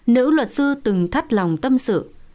nữ luật sư từng thắt lòng tâm sự